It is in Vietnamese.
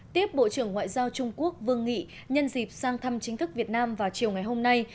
tiếp bộ trưởng ngoại giao trung quốc vương nghị nhân dịp sang thăm chính thức việt nam vào chiều ngày hôm nay